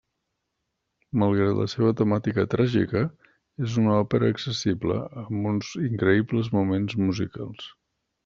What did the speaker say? Malgrat la seva temàtica tràgica, és una òpera accessible amb uns increïbles moments musicals.